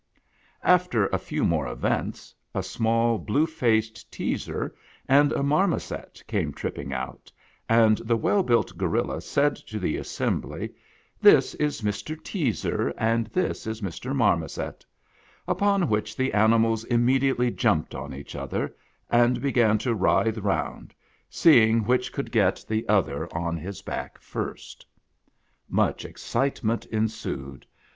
After a few more events, a small Blue Faced Teazcr and a Marmoset came tripping out, and the well built gorilla said to the assembly, " This is Mr. Teazer, and this is Mr. Marmoset ;" upon which the animals im mediately jumped on each other, and began to writhe round, seeing which could get the other on his back first. Much excitement ensued.